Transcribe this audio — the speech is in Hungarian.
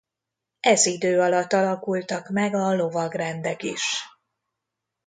Ez idő alatt alakultak meg a lovagrendek is.